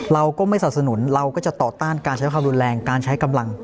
เราก็ไม่สนับสนุนเราก็จะต่อต้านการใช้ความรุนแรงการใช้กำลัง